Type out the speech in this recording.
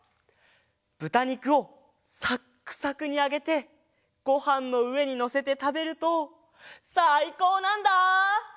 ぶたにくをサックサクにあげてごはんのうえにのせてたべるとさいこうなんだ！